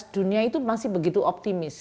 dua ribu lima belas dunia itu masih begitu optimis